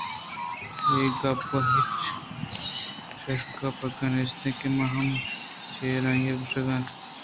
اے گپّ ءَ ہچ شکّ ءُ پکّے نیست کہ من ہم چَرآئی ءَ کشّیتگ